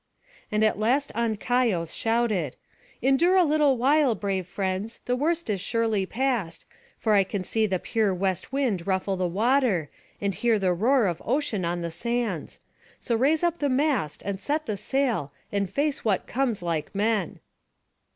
] And at last Ancaios shouted: "Endure a little while, brave friends, the worst is surely past; for I can see the pure west wind ruffle the water, and hear the roar of ocean on the sands. So raise up the mast, and set the sail, and face what comes like men."